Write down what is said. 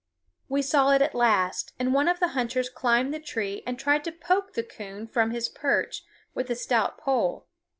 We saw it at last, and one of the hunters climbed the tree and tried to poke the coon from his perch with a stout pole.